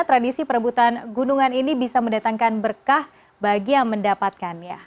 tradisi perebutan gunungan ini bisa mendatangkan berkah bagi yang mendapatkannya